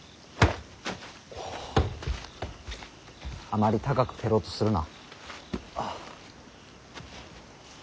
あまり高く蹴ろうとするな。